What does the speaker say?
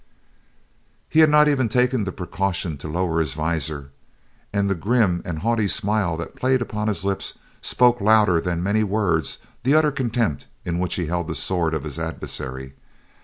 He had not even taken the precaution to lower his visor, and the grim and haughty smile that played upon his lips spoke louder than many words the utter contempt in which he held the sword of his adversary.